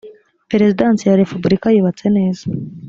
perezidansi ya repubulika yubatse neza.